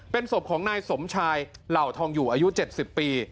เป็นศพของนายสมชายเหล่าทองอยู่อายุ๗๐ปี